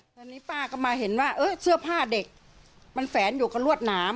ตอนนี้ป้าก็มาเห็นว่าเสื้อผ้าเด็กมันแฝนอยู่กับรวดหนาม